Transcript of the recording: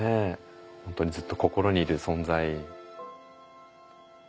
本当にずっと心にいる存在。